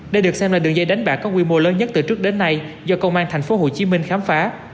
đây được xem là đường dây đánh bạc có quy mô lớn nhất từ trước đến nay do công an tp hcm khám phá